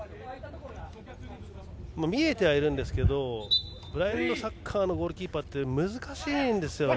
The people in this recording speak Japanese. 見えてはいるんですがブラインドサッカーのゴールキーパーって難しいんです。